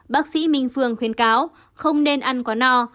bác sĩ minh phương khuyên cáo không nên ăn quá no